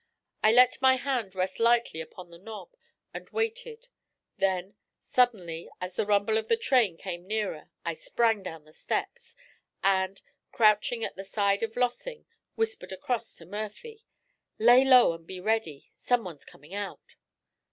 I let my hand rest lightly upon the knob, and waited; then, suddenly, as the rumble of the train came nearer, I sprang down the steps, and, crouching at the side of Lossing, whispered across to Murphy, 'Lay low and be ready; someone's coming out.'